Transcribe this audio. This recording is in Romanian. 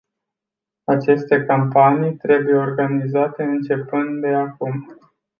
Aceste campanii trebuie organizate începând de acum.